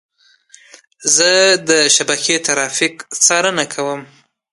زه د شبکې ترافیک څارنه کوم.